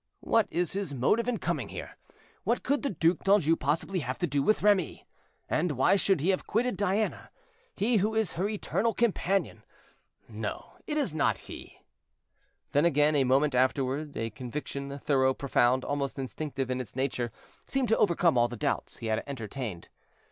What is his motive in coming here? What can the Duc d'Anjou possibly have to do with Remy? And why should he have quitted Diana—he, who is her eternal companion? No; it is not he." Then, again, a moment afterward, a conviction, thorough, profound, almost instinctive in its nature, seemed to overcome all the doubts he had entertained.